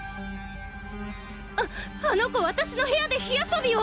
あの子私の部屋で火遊びを！